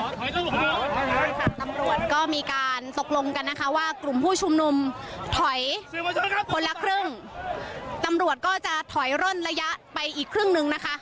ใช่ค่ะตำรวจก็มีการตกลงกันนะคะว่ากลุ่มผู้ชุมนุมถอยคนละครึ่งตำรวจก็จะถอยร่นระยะไปอีกครึ่งนึงนะคะ